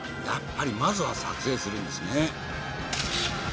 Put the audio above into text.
やっぱりまずは撮影するんですね。